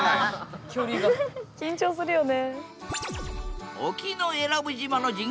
緊張するよね。